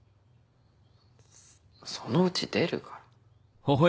そのうち出るから。